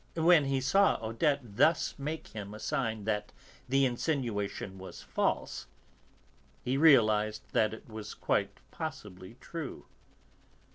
When he saw Odette thus make him a sign that the insinuation was false, he realised that it was quite possibly true.